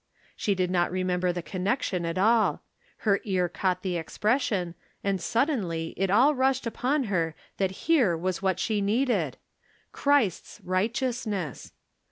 She did not remember the connection at all. Her ear caught the expression, and sud 330 From Different Standpoints. denly it all rushed upon her that here was what she needed, " Christ's righteousness!"